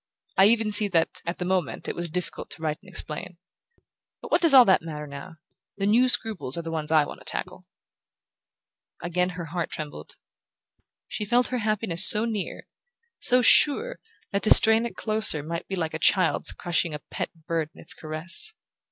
I even see that, at the moment, it was difficult to write and explain. But what does all that matter now? The new scruples are the ones I want to tackle." Again her heart trembled. She felt her happiness so near, so sure, that to strain it closer might be like a child's crushing a pet bird in its caress.